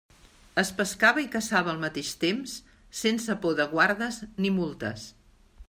Es pescava i caçava al mateix temps, sense por de guardes ni multes.